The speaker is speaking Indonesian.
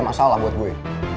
masalah buat gue